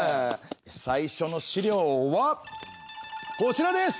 最初の資料はこちらです！